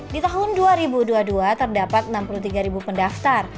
di tahun dua ribu dua puluh dua terdapat enam puluh tiga pendaftar